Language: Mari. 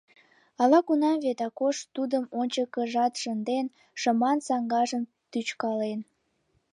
Ала-кунам вет Акош тудым ончыкыжат шынден, шыман саҥгажымат тӱчкален.